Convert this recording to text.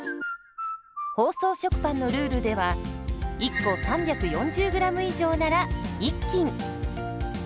包装食パンのルールでは１個３４０ｇ以上なら１斤。